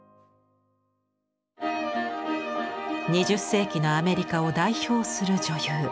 ２０世紀のアメリカを代表する女優